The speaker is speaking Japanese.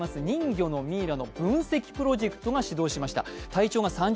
人魚のミイラの分析プロジェクトが始動しました。